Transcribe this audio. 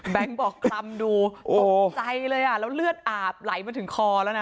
บอกคลำดูตกใจเลยอ่ะแล้วเลือดอาบไหลมาถึงคอแล้วนะ